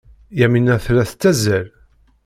Yamina tella tettazzal.